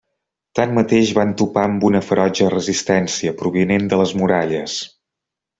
Tanmateix, van topar amb una ferotge resistència, provinent de les muralles.